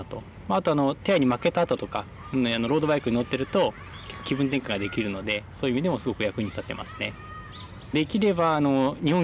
あと手合に負けたあととかロードバイクに乗ってると気分転換ができるのでそういう意味でもすごく役に立ってますね。